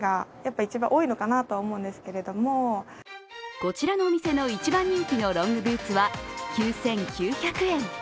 こちらのお店の一番人気のロングブーツは９９００円。